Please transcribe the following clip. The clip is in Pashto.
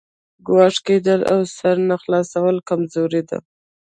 ګوښه کېدل او سر نه خلاصول کمزوري ده.